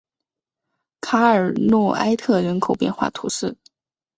卡尔诺埃特人口变化图示